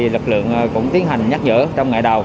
lực lượng cũng tiến hành nhắc nhở trong ngày đầu